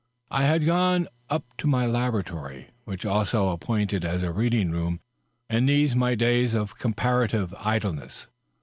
I had gone up to my laboratory, which was also appointed as a reading room in these my days of comparative idleness.